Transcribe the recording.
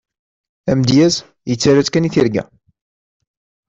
Amedyaz, yettarra-tt kan i tirga.